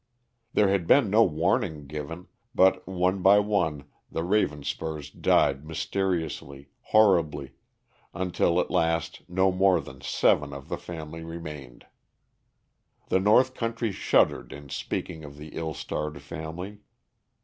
There had been no warning given, but one by one the Ravenspurs died mysteriously, horribly, until at last no more than seven of the family remained. The North country shuddered in speaking of the ill starred family.